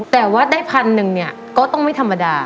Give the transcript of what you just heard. แต่ว่าได้พันหนึ่งเนี่ยก็ต้องไม่ธรรมดา